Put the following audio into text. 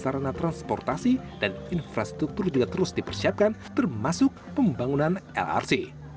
sarana transportasi dan infrastruktur juga terus dipersiapkan termasuk pembangunan lrt